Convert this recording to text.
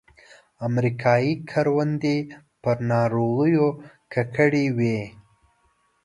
امریکایي کروندې په ناروغیو ککړې وې.